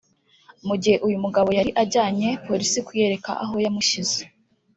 Mu gihe uyu mugabo yari ajyanye Polisi kuyereka aho yamushyize